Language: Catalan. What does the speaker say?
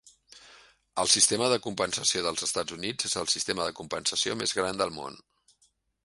El sistema de compensació dels Estats Units és el sistema de compensació més gran del món.